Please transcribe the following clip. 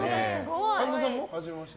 神田さんもはじめまして？